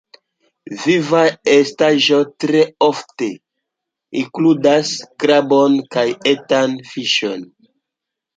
Vivaj estaĵoj tre ofte inkludas krabojn kaj etajn fiŝojn.